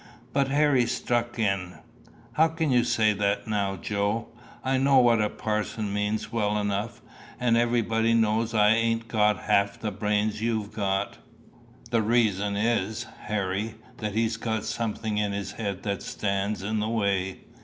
But Harry struck in "How can you say that now, Joe? I know what the parson means well enough, and everybody knows I ain't got half the brains you've got." "The reason is, Harry, that he's got something in his head that stands in the way."